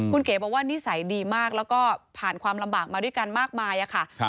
คุณเก๋บอกว่านิสัยดีมากแล้วก็ผ่านความลำบากมาด้วยกันมากมายค่ะ